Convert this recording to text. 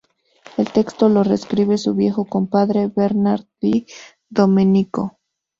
El texto lo reescribe su viejo compadre Bernard Di Domenico.